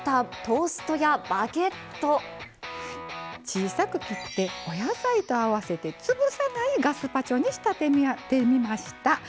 小さく切ってお野菜と合わせて潰さないガスパチョに仕立ててみました。